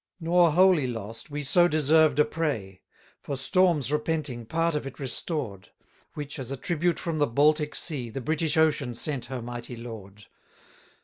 31 Nor wholly lost we so deserved a prey; For storms repenting part of it restored: Which, as a tribute from the Baltic sea, The British ocean sent her mighty lord.